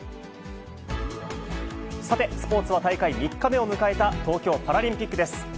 さて、スポーツは大会３日目を迎えた東京パラリンピックです。